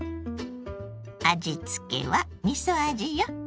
味付けはみそ味よ。